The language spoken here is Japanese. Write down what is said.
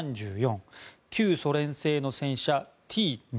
旧ソ連製の戦車、Ｔ７２